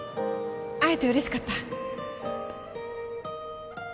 会えてうれしかった